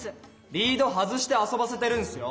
リード外して遊ばせてるんすよ。